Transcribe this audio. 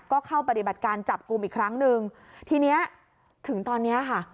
ก็เข้าปฏิบัติการจับกลุ่มอีกครั้งหนึ่งทีเนี้ยถึงตอนเนี้ยค่ะ